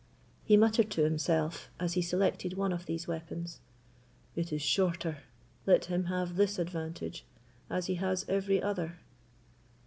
He muttered to himself, as he selected one of these weapons: "It is shorter: let him have this advantage, as he has every other."